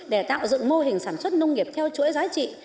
và dựng mô hình sản xuất nông nghiệp theo chuỗi giá trị